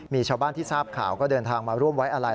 มีชาวบ้านที่ทราบข่าวก็เดินทางมาร่วมไว้อะไร